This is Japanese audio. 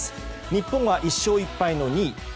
日本は１勝１敗の２位。